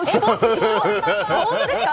本当ですか？